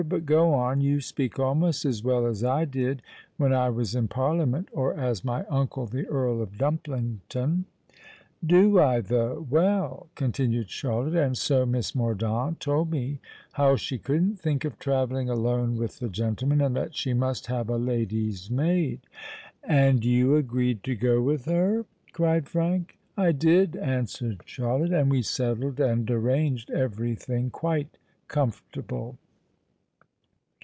But go on: you speak almost as well as I did when I was in Parliament—or as my uncle the Earl of Dumplington." "Do I, though? Well," continued Charlotte, "and so Miss Mordaunt told me how she couldn't think of travelling alone with the gentleman, and that she must have a lady's maid——" "And you agreed to go with her?" cried Frank. "I did," answered Charlotte; "and we settled and arranged every thing quite comfortable."